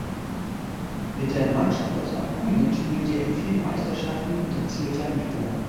Mit der Mannschaft aus Apulien spielte er vier Meisterschaften und erzielte ein Tor.